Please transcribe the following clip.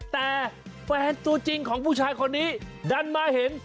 แต่แฟนตัวจริงของผู้ชายคนนี้ดันมาเห็น